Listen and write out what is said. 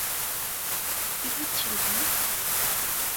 কী ভাবছিলে তুমি?